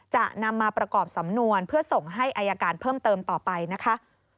จะนำมาประกอบสำนวนเพื่อส่งให้อายการเพิ่มเติมต่อไปนะคะ